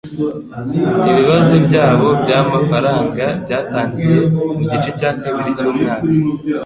Ibibazo byabo byamafaranga byatangiye mugice cya kabiri cyumwaka